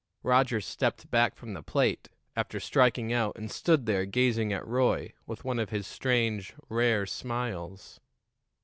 Roger stepped back from the plate, after striking out, and stood there gazing at Roy, with one of his strange, rare smiles.